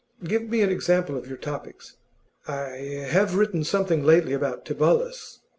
Give me an example of your topics.' 'I have written something lately about Tibullus.